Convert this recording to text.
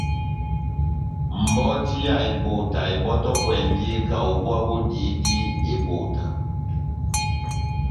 Mbɔti ya ebota ebɔ́tɔkwɛndi kaho búwa bodihidi ebota.